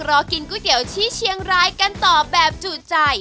รอกินก๋วยเตี๋ยวที่เชียงรายกันต่อแบบจูดใจ